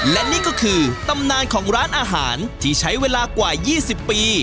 และนี่ก็คือตำนานของร้านอาหารที่ใช้เวลากว่า๒๐ปี